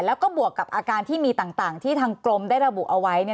แล้วก็บวกกับอาการที่มีต่างที่ทางกรมได้ระบุเอาไว้